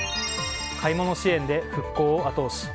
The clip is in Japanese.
買い物支援で復興を後押し。